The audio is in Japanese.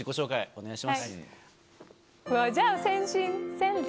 お願いします。